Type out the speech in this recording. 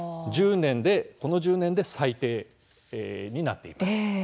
この１０年で最低になっています。